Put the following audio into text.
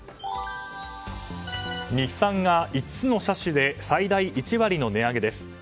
日産が５つの車種で最大１割の値上げです。